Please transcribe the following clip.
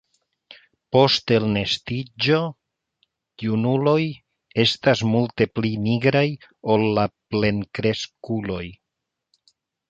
Post elnestiĝo junuloj estas multe pli nigraj ol la plenkreskuloj.